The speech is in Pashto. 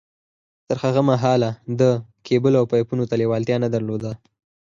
تر هغه مهاله ده کېبلو او پایپونو ته لېوالتیا نه در لوده